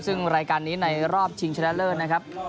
ซึ่งรายการนี้ในรอบชิงชนะเลิศนะครับ